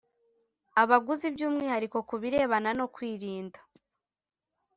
abaguzi by umwihariko ku birebana no kwirinda